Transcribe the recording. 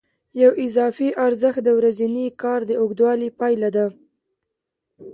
یو اضافي ارزښت د ورځني کار د اوږدوالي پایله ده